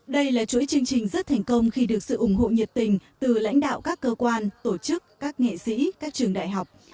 đây là chuỗi chương trình rất thành công khi được sự ủng hộ nhiệt tình từ lãnh đạo các cơ quan tổ chức các nghệ sĩ các trường đại học